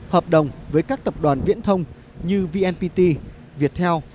hợp đồng với các tập đoàn viễn thông như vnpt viettel